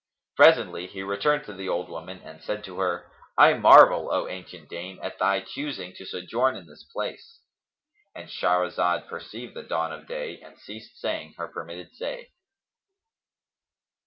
Presently he returned to the old woman and said to her, "I marvel, O ancient dame, at thy choosing to sojourn in this place"—And Shahrazad perceived the dawn of day and ceased saying her permitted say.